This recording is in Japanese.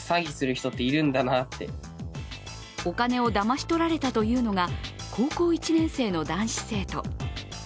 お金をだまし取られたというのが高校１年生の男子生徒。